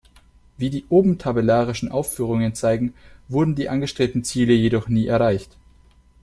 Wie die obigen tabellarischen Aufführungen zeigen, wurden die angestrebten Ziele jedoch nie erreicht.